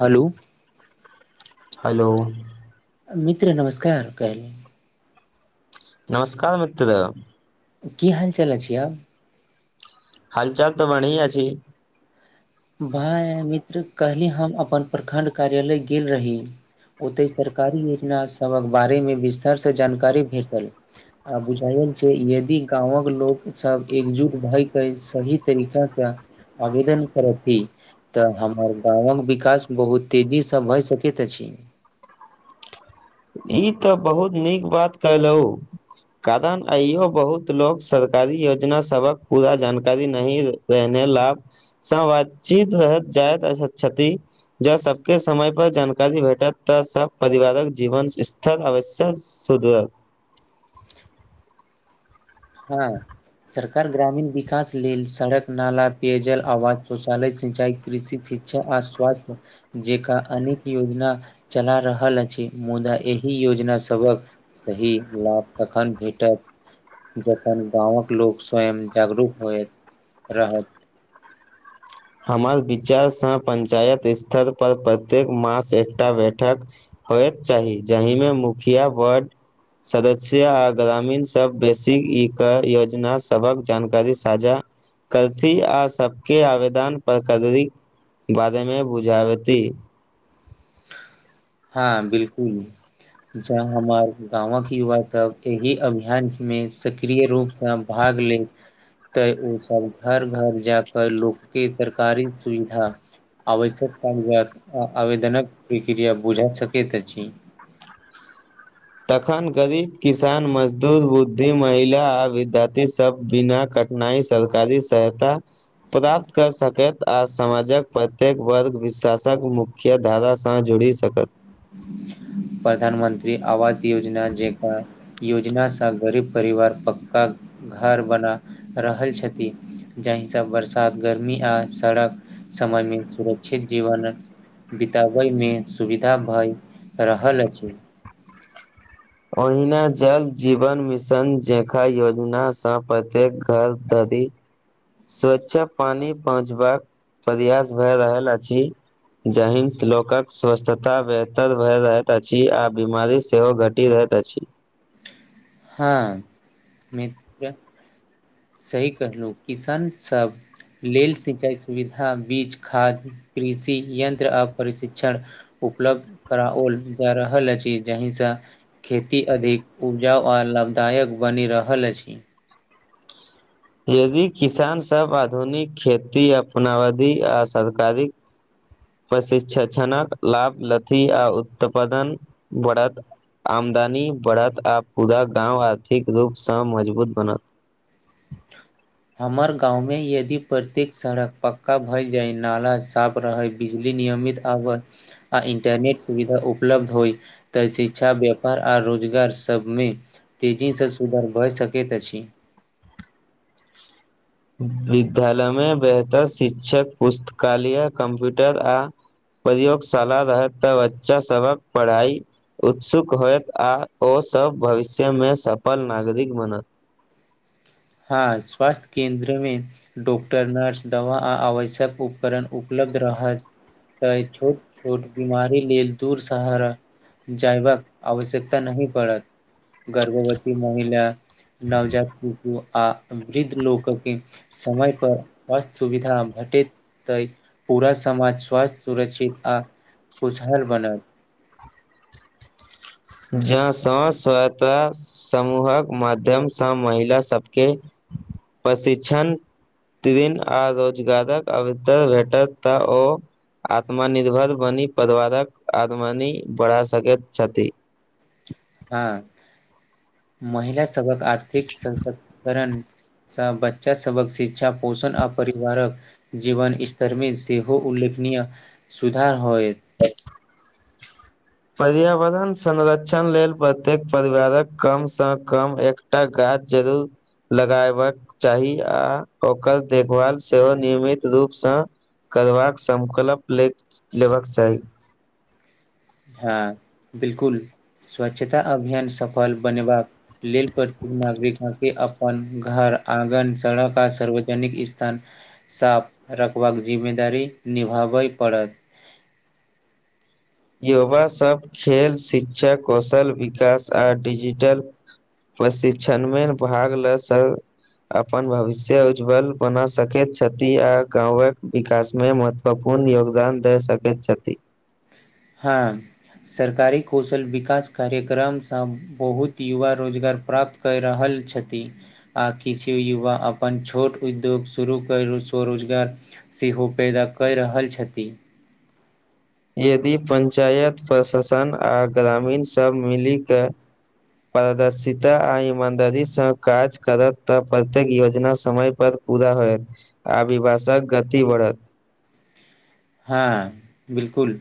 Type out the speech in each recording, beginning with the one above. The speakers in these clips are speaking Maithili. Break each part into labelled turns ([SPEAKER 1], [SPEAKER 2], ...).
[SPEAKER 1] हेलो
[SPEAKER 2] हेलो
[SPEAKER 1] मित्र नमस्कार कहलु
[SPEAKER 2] नमस्कार मित्र
[SPEAKER 1] की हाल चाल अछि आब
[SPEAKER 2] हाल चाल तऽ बढ़ीया छी
[SPEAKER 1] भाय मित्र काल्हि हम अपन प्रखण्ड कार्यालय गेल रही ओतहि सरकारी योजना सभक बारेमे विस्तारसे जानकारी भेटल आ बुझायल छै यदि गाँवक लोक सब एकजुट भएके सही तरीका सँ आवेदन ती तऽ हमर गाँवक विकास बहुत तेजीसँ भए सकैत अछि
[SPEAKER 2] ई तऽ बहुत नीक बात कलहु कारण अइयो बहुत लोको सरकारी योजना सभक पूरा जानकारी नहि रहने लाभसँ बातचीत रहत जाय छति जब सबके समय पर जानकारी भेटत तऽ सब परिवारक जीवन स्थर अवश्य सुधरत
[SPEAKER 1] हँ सरकार ग्रामीण विकास लेल सड़क नाला पेयजल आवाज शौचालय सिंचाई कृषि शिक्षा आ स्वास्थ जेका अनेक योजना चला रहल अछि मुदा एहि योजना सभक सही लाभ तखन भेटत जखन गाँवक लोक स्वयं जागरूक होइत रहत
[SPEAKER 2] हमर विचारसँ पंचायत स्तर पर प्रत्येक मास एकटा बैठक होयके चाही जाहिमे मुखिया बर्ड सदस्य आ ग्रामीण सब बेसी ई योजना सबक जानकारी साझा करथि आ सबके आवेदन पर करी बारेमे बुझाबती
[SPEAKER 1] हँ बिलकुल जहँ हमर गाँवक युवा सब एहि अभियानमे सक्रिय रूपसँ भाग ले तऽ ओसभ घर घर जा कऽ लोक के सरकारी सुविधा आवश्यक क आवेदनक क प्रक्रिया बुझा सकैत अछि
[SPEAKER 2] तखन गरीब किसान मजदूर बुद्धि महिला आ विद्यार्थी सब बिना कट नहि सरकारी सहायता प्राप्त कऽ सकैत आ समाजक प्रत्येक वर्ग विश्वासक मुक्त मुख्य धारासँ जुड़ी सकत
[SPEAKER 1] प्रधानमंत्री आवास योजना जेकाँ योजनासँ गरीब परिवार पक्का घर बना रहल छथि जहि सँ बरसात गर्मी आ सड़क समय मे सुरक्षित जीवन बितबय मे सुविधा भए रहल अछि
[SPEAKER 2] ओहिना जल जीवन मिशन जखा योजनासँ प्रत्येक घर दादी सुरक्षा पानी पहुँचबाक प्रयास भए रहल अछि जाहिसँ लोकक स्वस्थता बेहतर भए रहैत अछि आ बीमारी सेहो घट टी रहैत अछि
[SPEAKER 1] हँ मित्र सही कहलहु किसान सब लेल सिंचाई सुविधा बीज खाद्य कृषि यन्त्र आ प्रशिक्षण उपलब्ध कराओल जाय रहल अछि जहिसँ खेती अधिक ऊपजा और लाभदायक बनि रहल अछि
[SPEAKER 2] यदि किसान सब आधुनिक खेती अपनावधी आ सरकारीक प्रशिक्ष्षणक लाभ लथी आ उत्पादन बढ़त आमदनी बढ़त आ पूरा गाँव आर्थिक रूपसँ मजबूत बनत
[SPEAKER 1] हमर गाँवमे यदि प्रत्येक सड़क पक्का भए जाय नाला साफ रहै बिजली नियमित आबै आ इंटरनेट सुविधा उपलब्ध होइ तऽ शिक्षा व्यापार आ रोजगार सबमे तेजीसँ सुधर भय सकैत अछि
[SPEAKER 2] विद्यालयमे बेहतर शिक्षक पुस्तकालय कम्प्यूटर आ प्रयोगशाला रहत तऽ बच्चा सबक पढ़ाई उत्सुक होयत आ ओसभ भविष्यमे सफल नागरिक बनत
[SPEAKER 1] हँ स्वास्थ्य केन्द्र मे डॉक्टर नर्स दवा आ आवश्यक उपकरण उपलब्ध रहत तऽ एय छोट छोट बीमारी लेल दूर सहारा जायवक आवश्यकता नहि पड़त गर्भवती महिला नवजात शिशू आ वृद्ध लोकके समय पर स्वास्थ्य सुविधा भेटैत तऽ ई पूरा समाज स्वस्थ सुरक्षित आ खुशहाल बनल
[SPEAKER 2] जौ स्वेंग सहायता समूहक माध्यमसँ महिला सबके प्रशिक्षण प्रतीदिन आ रोजगारक अवसर भेटत तऽ ओ आत्मनिर्भर बनी परीवारक आमदनी बढ़ा सकैत छथि
[SPEAKER 1] हँ महिला सबहक आर्थिक संकट करण सँ बच्चा सबक शिक्षा पोषण आ परिवारक जीवन स्तरमे सेहो उल्लेखनीय सुधार होयत
[SPEAKER 2] पर्यावरण संरक्षण लेल प्रत्येक परिवारक कम सँ कम एक टा गाछ जरूर लगेबाक चाही आ ओकर देखभाल सेहो नियमित रूपसँ करबाक संकल्प ले लेबाक चाही
[SPEAKER 1] हँ बिलकुल स्वच्छता अभियान सफल बनेबाक लेल प्रत्येक नागरिक न की अपन घर आंगन सड़क आ सार्वजनिक स्थान साफ रखबाक जिम्मेदारी निभाबै पड़त
[SPEAKER 2] युवासभ खेल शिक्षा कौशल विकास आ डिजिटल प्रशिक्षण मे भाग ल स अपन भविष्य उज्ज्वल बना सकैत छथि आ गाँवक विकास मे मद पूर्ण योगदान दे सकैत छथि
[SPEAKER 1] हाँ सरकारी कौशल विकास कार्यक्रमसँ बहुत युवा रोजगार प्राप्त कैऽ रहल छथि आ किछु युवा अपन छोट उद्योग शुरू कर स्वरोजगार सेहो पैदा कै रहल छथि
[SPEAKER 2] यदि पंचायत प्रशासन आ ग्रामीण सब मिली क पारदर्शिता आ ईमानदारी सँ काज करत तऽ प्रत्येक योजना समय पर पूरा होयत आ विकासक गति बढ़त
[SPEAKER 1] हाँ बिल्कुल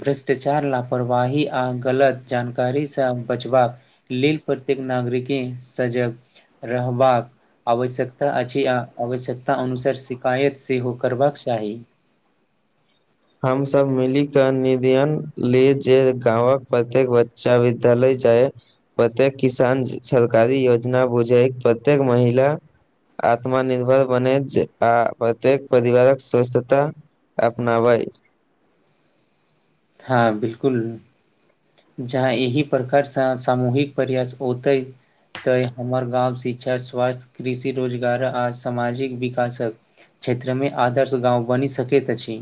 [SPEAKER 1] भ्रष्टाचार लापरवाही आ गलत जानकारीसँ बचबाक लेल प्रत्येक नागरिके सजग रहबाक आवश्यकता अछि आ आवश्यकता अनुसार शिकायत सेहो करबाक चाही
[SPEAKER 2] हमसभ मिली कऽ निदन ले जे गाँवक प्रत्येक बच्चा विद्यालय जाय प्रत्येक किसान सरकारी योजना बुझै प्रत्येक महिला आत्मनिर्भर बने छै आ प्रत्येक परिवारक स्वस्थता अपनाबय
[SPEAKER 1] हाँ बिल्कुल जहाँ एहि प्रकार सँ सामूहिक प्रयास होतै तैँ हमर गाँव शिक्षा स्वास्थ्य कृषि रोजगार आ समाजिक विकासक क्षेत्र में आदर्श गाँव बनि सकैत अछि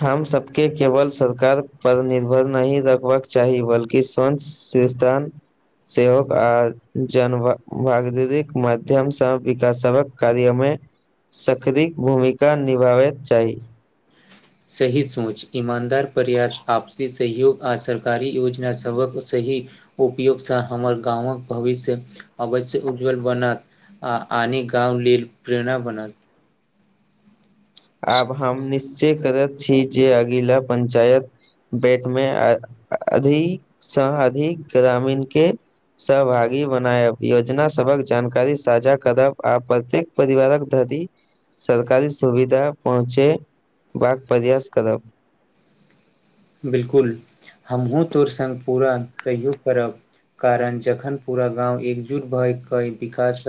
[SPEAKER 2] हम सबके केवल सरकार पर निर्भर नहि रखबाक चाही बल्कि स्वंय सुस्तान सेहो आ जन माध्यम सँ विकासक कार्य मे सक्रिय भूमिका निभाबै चाही
[SPEAKER 1] सही सोच ईमानदार प्रयास आपसी सहयोग आ सरकारी योजना सबक सही उपयोगसँ हमर गामक भविष्य अवश्य उज्ज्वल बनत आ आने गाँव लल प्रेरणा बनत
[SPEAKER 2] आब हम निश्चय करैत छी जे अगिला पंचायत बेेट मे अधिक से अधिक ग्रामीण के सहभागी बनायब योजना सभक जानकारी साझा करब आ प प्रत्येक परिवारक धरी सरकारी सुवि घा पहुँचे बाक प्रयास करब
[SPEAKER 1] बिलकुल हमहुँ तोर संग पूरा सहयोग करब कारण जखन पूरा गाँव एकजुट भयके विकास‌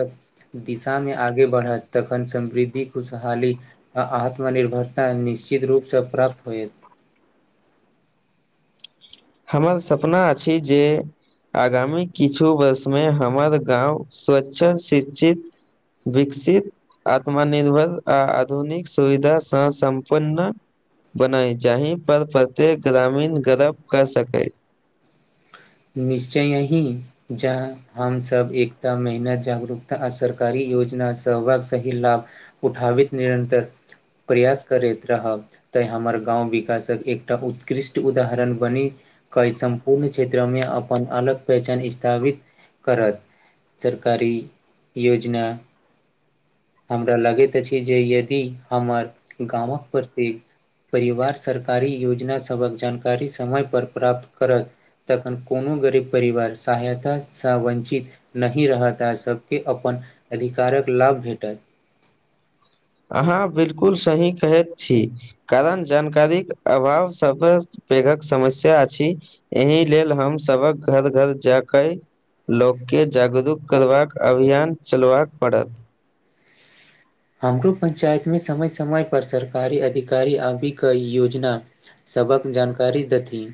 [SPEAKER 1] दिशा मे आगे बढ़त तखन समृद्धि खुशहाली आ आत्मनिर्भरता निश्चित रूप सँ प्राप्त होयत
[SPEAKER 2] हमर सपना अछि जे आगामी किछु वर्ष मे हमर गाँव स्वच्छ शिक्षित विकसीत आत्मनिर्भर आ आधुनिक सुविधा सँ सम्पन्न बनाई जी पर प्रत्येक ग्रामीण गर्भ कर सकै
[SPEAKER 1] निश्चय यही जहाँ हम सभ एकता मेहनत जागरूकता आ सरकारी योजना सहाग सही लाभ उठाब निरन्तर प्रयास करैत रहब तऽँ हमर गाँव विकासक एकटा उत्कृष्ट उदाहरण बनी कऽ सम्पूर्ण क्षेत्र अपन अलग पहचान स्थापित करत सरकारी योजना हमरा लगैत अछि जे यदि हमर गामक प्रति परिवार सरकारी योजना सभक जानकारी समय पर प्राप्त करत तखन कोनो गरीब परिवार सहायतासँ वञ्चित नहि रहत आ सभ के अपन अधिकारक लाभ भेटत
[SPEAKER 2] अहाँ बिल्कुल सही कहैत छी कारण जानकारीक अभाव सब पेघक समस्या अछि एहि लेल हम सभक घर घर जा कऽ लोक के जागरूक करबाक अभियान चलबाक पड़त
[SPEAKER 1] हमरो पंचायत में समय समय पर सरकारी अधिकारी आभि योजना सबक जानकारी देथिन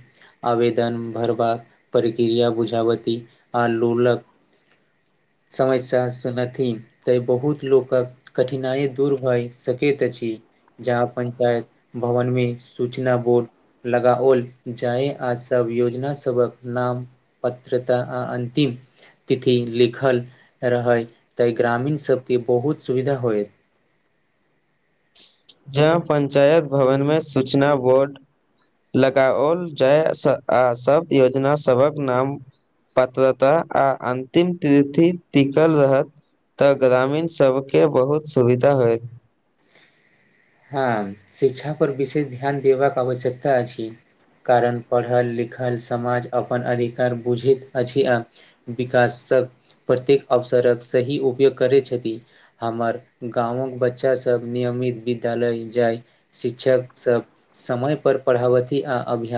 [SPEAKER 1] आवेदन भरबाक प्रक्रिया बुझावती आ लोलक समस्या सुनथिन तै बहुत लोकक कठिनाइ दूर भए सकैत अछि जहाँ पंचायत भवन मे सूचना बोर्ड लगाओल जाय आ सब योजना सभक नाम पत्रता आ अन्तिम तिथि लिख लिखल रहै तऽ ग्रामीण सबके बहुत सुविधा होयत
[SPEAKER 2] जब पंचायत भवन में सूचना बोर्ड लगाओल जाय आ सब योजना सबक नाम पात्रता आ अन्तिम तीथि टिकल रहत तऽ ग्रामीण सब के बहुत सुविधा होयत
[SPEAKER 1] हाँ शिक्षा पर विशेष ध्यान देबाक आवश्यकता अछि कारण पढ़ल लिखल समाज अपन अधिकार बुझैत अछि आ विकासक प्रत्येक अवसरक सही उपयोग करैत छथि हमर गाँवक बच्चा सब नियमित विद्यालय जायत शिक्षक सब समय पर पढ़ावती आ अभय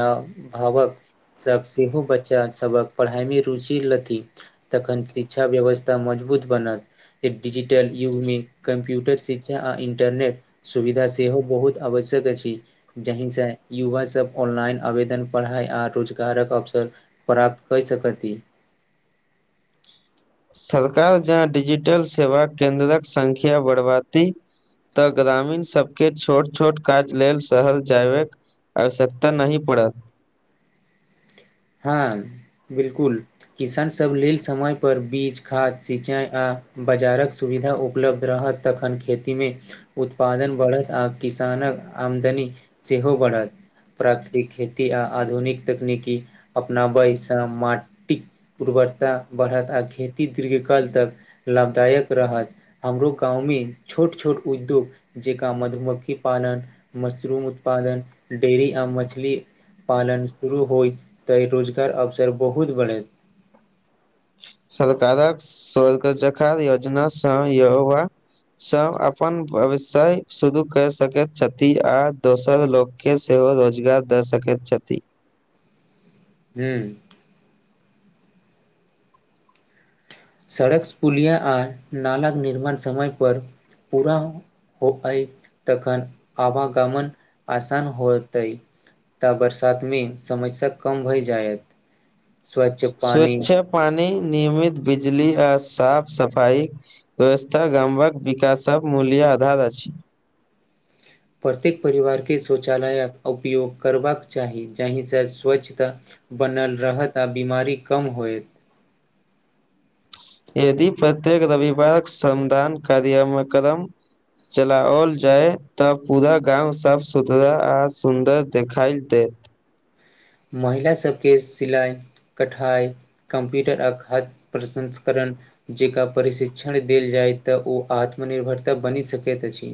[SPEAKER 1] भावक सभ सेहो बच्चा सभक पढ़ाइ में रुचि लेथिन तखन शिक्षा व्यवस्था मजबूत बनत डिजिटल युग मे कम्प्यूटर शिक्षा आ इन्टरनेट सुविधा सेहो बहुत आवश्यक अछि जहि सँ युवा सब ऑनलाइन आवेदन पढ़ाई आ रोजगारक अवसर प्राप्त क सकैत अती
[SPEAKER 2] सरकार जहां डिजिटल सेवा केन्द्रक संख्या बढ़बाती तऽ ग्रामीण सबके छोट छोट काज लेल शहर जायबाक आवश्यकता नहि पड़त
[SPEAKER 1] हँ बिल्कुल किसानसभ लेल समयपर बीज खाद सिँचाइ आ बाजारक सुविधा उपलब्ध रहत तखन खेतीमे उत्पादन बढ़त आ किसानक आमदनी सेहो बढ़त प्राकृतिक खेती आ आधुनिक तकनीकी अपनावा हिस्सा माटिक उर्वरता बढ़त आ खेती दीर्घकाल तक लाभदायक रहत हमरो गाँवमे छोट छोट उद्योग जेका मधुमक्खी पालन मशरूम उत्पादन डेयरी आ मछली पालन शुरू होय तै रोजगार अवसर बहुत बढ़ैत
[SPEAKER 2] सरकारक स्वर्गजखा योजनासँ यौबा सब अपन व्यवसाय शुरू कर सकैत छथि आ दोसर लोक के सेहो रोजगार दऽ सकैत छथि
[SPEAKER 1] हूं सड़क पुलिया आ नालाक निर्माण समय पर पूरा होइ तखन आवागमन आसान होतै तऽ बरसातमे समस्या कम भए जायत स्वच्छ पानी
[SPEAKER 2] स्वच्छ पानी नियमित बिजली आ साफ सफाई व्यस्था गामक विकासक मूल्य आधार अछि
[SPEAKER 1] प्रत्येक परिवारके शौचालयक उपयोग करबाक चाही जाहि सँ स्वच्छता बनल रहत आ बीमारी कम होए
[SPEAKER 2] यदि प्रत्येक रविवारक समदान कार्यमक्रम चलाओल जाय तब पूरा गाँंव साफ सुथरा आ सुन्दर देखाइ देत
[SPEAKER 1] महिला सबके सिलाइ कठाइ कम्प्यूटर आ खाद प्रसंस्करण जेका प्रशिक्षण देल जाय तऽ ओ आत्मनिर्भरता बनि सकैत अछि